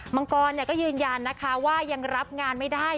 มังกรก็ยืนยันนะคะว่ายังรับงานไม่ได้